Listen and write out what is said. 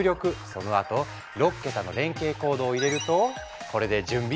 そのあと６桁の連携コードを入れるとこれで準備ＯＫ！